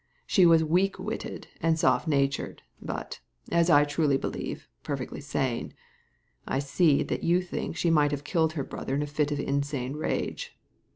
She was weak witted and soft natured, but, as I truly believe, perfectly sane. I see that you think she might have killed her brother in a fit of insane rage.